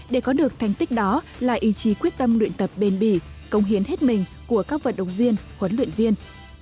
để có được thành tích đó là ý chí quyết tâm luyện tập bền bỉ công hiến hết mình của các vận động viên huấn luyện viên